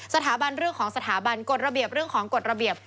สถาบันเรื่องของสถาบันกฎระเบียบเรื่องของกฎระเบียบ